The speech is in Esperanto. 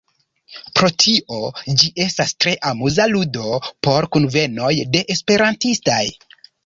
Pro tio, ĝi estas tre amuza ludo por kunvenoj de esperantistaj.